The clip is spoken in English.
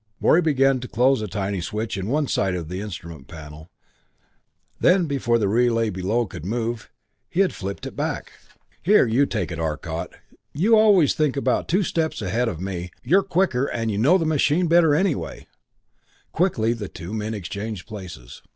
Morey began to close a tiny switch set in one side of the instrument panel then, before the relay below could move, he had flipped it back. "Here, you take it, Arcot you always think about two steps ahead of me you're quicker and know the machine better anyway." Quickly the two men exchanged places.